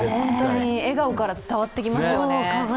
本当に笑顔から伝わってきますよね。